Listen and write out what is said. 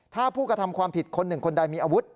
ถ้าผู้กระทำความผิดคนหนึ่งคนใดมีอาวุธ